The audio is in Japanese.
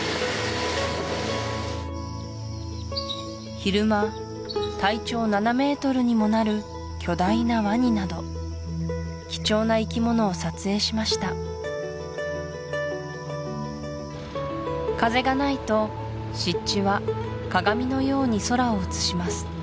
昼間体長７ｍにもなる巨大なワニなど貴重な生き物を撮影しました風がないと湿地は鏡のように空を映します